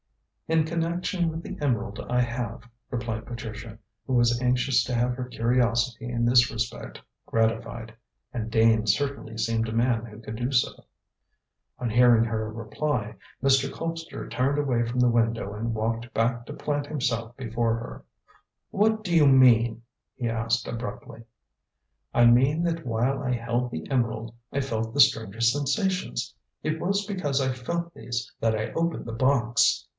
"In connection with the emerald I have," replied Patricia, who was anxious to have her curiosity in this respect gratified. And Dane certainly seemed a man who could do so. On hearing her reply, Mr. Colpster turned away from the window and walked back to plant himself before her. "What do you mean?" he asked abruptly. "I mean that while I held the emerald I felt the strangest sensations. It was because I felt these that I opened the box."